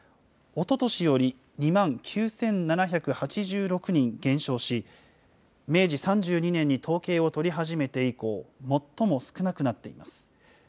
おととしより２万９７８６人減少し、明治３２年に統計を取り始めて以降、最も少なくなっています。